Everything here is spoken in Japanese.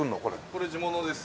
これ地物です。